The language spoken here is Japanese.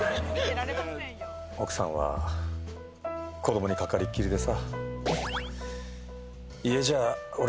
奥さんは子どもにかかりっきりでさ。